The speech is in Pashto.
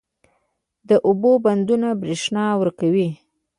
د اوبو بندونه برښنا ورکوي